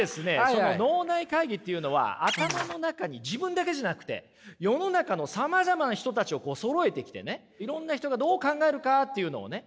その脳内会議っていうのは頭の中に自分だけじゃなくて世の中のさまざまな人たちをそろえてきてねいろんな人がどう考えるかっていうのをね